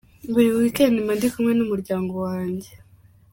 Buri week end mba ndi kumwe n’ umuryango wanjye.